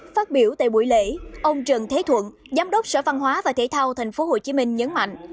phát biểu tại buổi lễ ông trần thế thuận giám đốc sở văn hóa và thể thao tp hcm nhấn mạnh